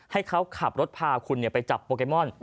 ให้เขาขับรถพาคุณไปจับโปเกมอน